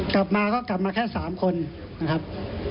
กลับมาก็กลับมาแค่๓คนนะครับ